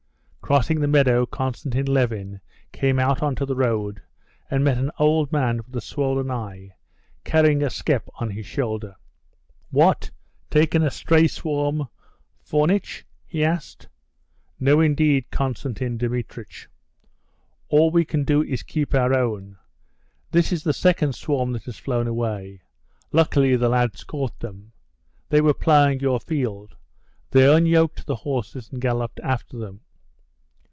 Crossing the meadow, Konstantin Levin came out onto the road, and met an old man with a swollen eye, carrying a skep on his shoulder. "What? taken a stray swarm, Fomitch?" he asked. "No, indeed, Konstantin Dmitrich! All we can do to keep our own! This is the second swarm that has flown away.... Luckily the lads caught them. They were ploughing your field. They unyoked the horses and galloped after them."